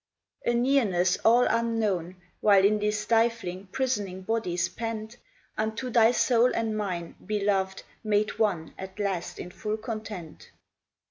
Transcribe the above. A nearness, all unknown While in these stifling, prisoning bodies pent, Unto thy soul and mine, beloved, made one At last in full content.